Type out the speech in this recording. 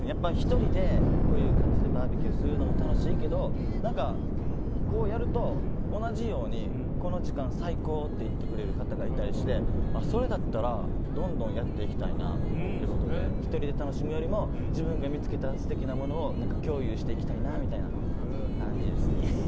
１人でこういう感じでバーベキューをするのも楽しいけど、こうやると同じようにこの時間最高って言ってくれる方がいたりしてそれだったら、どんどんやっていきたいなということで１人で楽しむよりも自分が見つけた素敵なものを共有していきたいなみたいな感じです。